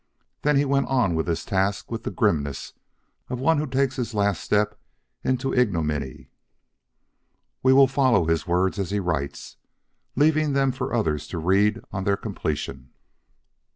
Then he went on with his task with the grimness of one who takes his last step into ignominy. We will follow his words as he writes, leaving them for the others to read on their completion.